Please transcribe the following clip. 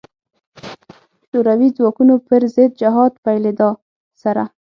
شوروي ځواکونو پر ضد جهاد پیلېدا سره.